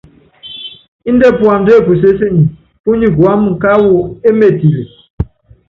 Índɛ puandá ékusésenyi, púnyi kuáma káwɔ émetile.